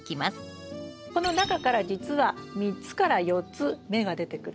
この中からじつは３つから４つ芽が出てくるんです。